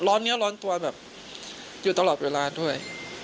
เนื้อร้อนตัวแบบอยู่ตลอดเวลาด้วย